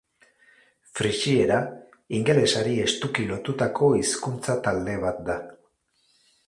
Frisiera ingelesari estuki lotutako hizkuntza talde bat da.